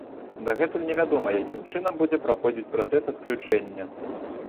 Дагэтуль невядома, якім чынам будзе праходзіць працэс адключэння.